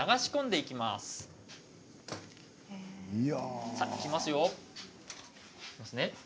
いきますよ。